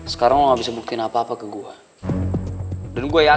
sekarang anda tidak bisa membuktikan apa apa kepada saya